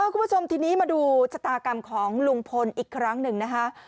คุณผู้ชมทีนี้มาดูชะตากรรมของลุงพลอีกครั้งหนึ่งนะคะ